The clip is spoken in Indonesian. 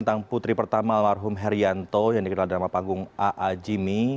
tentang putri pertama almarhum herianto yang dikenal nama panggung a a jimmy